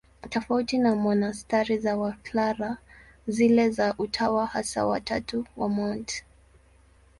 Tofauti na monasteri za Waklara, zile za Utawa Hasa wa Tatu wa Mt.